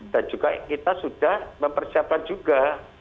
dan juga kita sudah mempersiapkan juga